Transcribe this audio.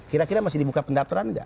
kira kira masih dibuka pendaftaran nggak